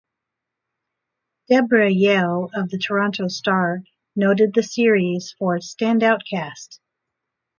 Debra Yeo of the "Toronto Star" noted the series for its standout cast.